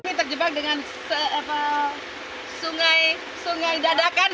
kami terjebak dengan sungai dadah kan